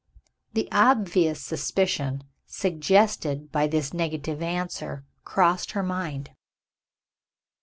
The obvious suspicion, suggested by this negative answer, crossed her mind.